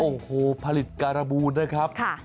โอ้โหผลิตการบูนนะครับ